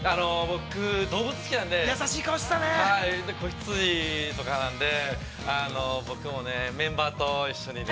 僕動物好きなんで、子羊とかなんで、僕もねメンバーと一緒に。